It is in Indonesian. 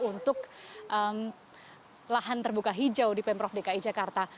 untuk lahan terbuka hijau di pemprov dki jakarta